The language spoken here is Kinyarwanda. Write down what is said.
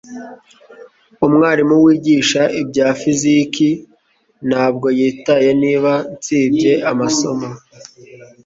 Umwarimu wigisha ibya fiziki ntabwo yitaye niba nsibye amasomo